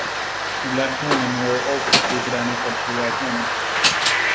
Black women were also treated unequal to white women.